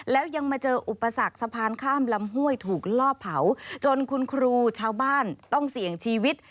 แล้วยังมาเจออุปสรรคสะพานข้ามลำห้วยถูกล่อเผาจนคุณครูชาวบ้านต้องเสี่ยงชีวิต